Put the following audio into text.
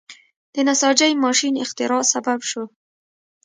د نساجۍ ماشین اختراع سبب شو.